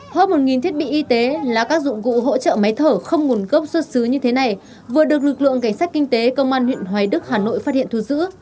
hơn một thiết bị y tế là các dụng cụ hỗ trợ máy thở không nguồn gốc xuất xứ như thế này vừa được lực lượng cảnh sát kinh tế công an huyện hoài đức hà nội phát hiện thu giữ